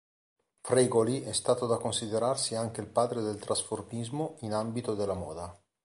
Fregoli è stato da considerarsi anche il padre del trasformismo in ambito della moda.